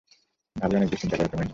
ভাবী অনেক দুশ্চিন্তা করে তোমায় নিয়ে।